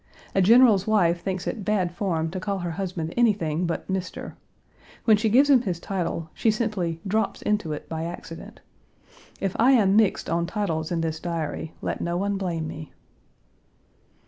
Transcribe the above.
A general's wife thinks it bad form to call her husband anything but "Mr." When she gives him his title, she simply "drops" into it by accident. If I am "mixed" on titles in this diary, let no one blame me.